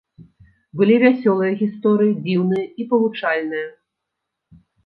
Былі вясёлыя гісторыі, дзіўныя і павучальныя.